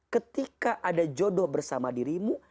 ketika ada jodoh bersama dirimu